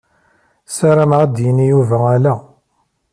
Sarameɣ ad d-yini Yuba ala.